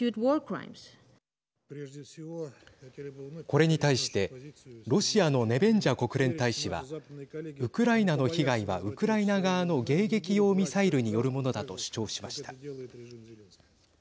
これに対してロシアのネベンジャ国連大使はウクライナの被害はウクライナ側の迎撃用ミサイルによるものだと主張しました。